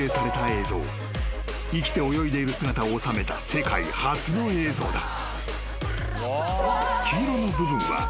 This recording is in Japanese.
［生きて泳いでいる姿を収めた世界初の映像だ］